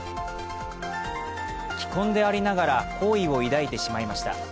既婚でありながら好意を抱いてしまいました。